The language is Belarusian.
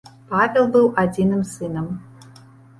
Павел быў адзіным сынам.